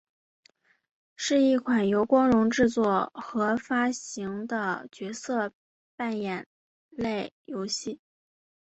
是一款由光荣制作和发行的角色扮演类游戏。